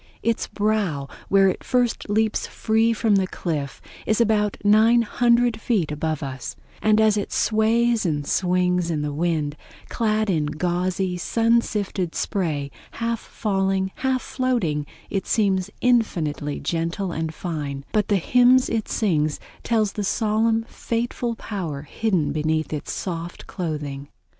Its brow, where it first leaps free from the cliff, is about 900 feet above us; and as it sways and sings in the wind, clad in gauzy, sun sifted spray, half falling, half floating, it seems infinitely gentle and fine; but the hymns it sings tell the solemn fateful power hidden beneath its soft clothing.